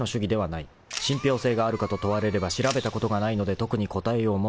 ［信ぴょう性があるかと問われれば調べたことがないので特に答えようもない］